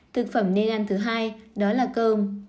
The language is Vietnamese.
thực phẩm nên ăn thứ hai đó là cơm